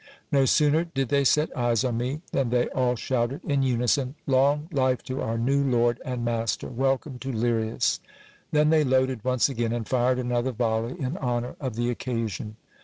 No sooner did they set eyes on me, than they all shouted in unison : Long life to our new lord and master ! welcome to Lirias ! Then they loaded once again, and fired another volley in honour of the occasion.